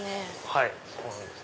はいそうなんです。